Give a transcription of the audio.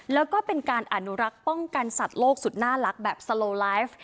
แล้วก็เป็นการอนุรักษ์ป้องกันสัตว์โลกสุดน่ารักแบบสโลไลฟ์